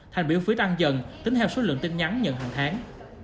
thành biểu phí tăng dần tính theo số lượng tin nhắn nhận hàng tháng